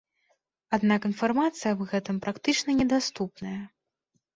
Аднак інфармацыя аб гэтым практычна недаступная.